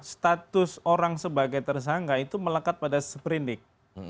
status orang sebagai tersangka itu melekat pada seperindik